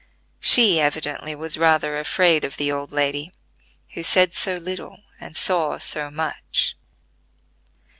She evidently was rather afraid of the old lady, who said so little and saw so much.